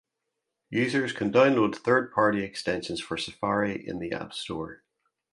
Users can download third party extensions for Safari in the App Store.